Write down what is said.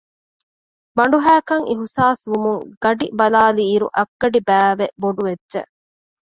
ބަނޑުހައިކަން އިޙްސާސްވުމުން ގަޑިބަލާލިއިރު އަށްގަޑިބައިވެ ބޮޑުވެއްޖެ